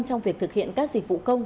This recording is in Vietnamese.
trong việc thực hiện các dịch vụ công